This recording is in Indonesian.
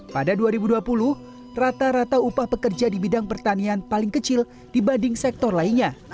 pada dua ribu dua puluh rata rata upah pekerja di bidang pertanian paling kecil dibanding sektor lainnya